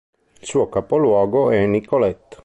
Il suo capoluogo è Nicolet.